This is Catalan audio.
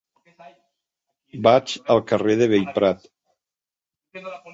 Vaig al carrer de Bellprat.